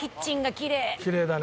きれいだね。